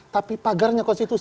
tapi pagarnya konstitusi